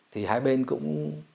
thì hai bên cũng